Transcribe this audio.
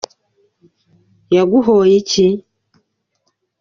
Yaguho ye iki?